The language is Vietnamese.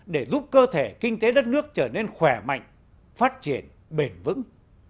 để giúp cơ thể kinh tế đất nước trở nên khỏe mạnh phát triển bền vững